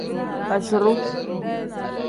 Basiru.